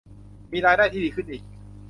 มีรายได้ที่ดีขึ้นอีก